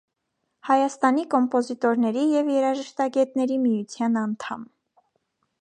Հայաստանի կոմպոզիտորների և երաժշտագետների միության անդամ։